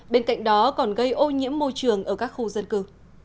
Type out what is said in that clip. bên cạnh đó còn gây ô nhiễm môi trường ở các khu dân cư